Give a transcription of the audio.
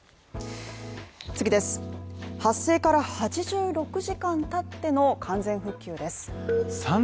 発生から８６時間たっての完全復旧です。